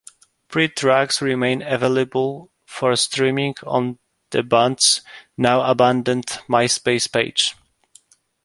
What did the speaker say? Three tracks remain available for streaming on the band's now-abandoned MySpace page.